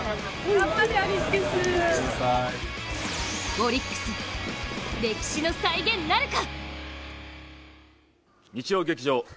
オリックス、歴史の再現なるか。